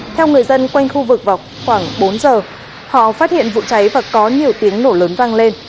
theo người dân quanh khu vực vào khoảng bốn giờ họ phát hiện vụ cháy và có nhiều tiếng nổ lớn vang lên